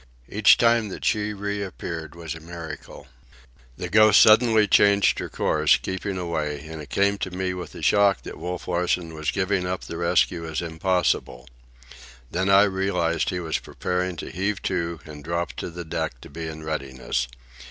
Each time that she reappeared was a miracle. The Ghost suddenly changed her course, keeping away, and it came to me with a shock that Wolf Larsen was giving up the rescue as impossible. Then I realized that he was preparing to heave to, and dropped to the deck to be in readiness.